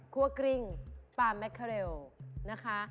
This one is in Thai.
ครัวกริ้งปลาแมคเคอร์เรลนะคะ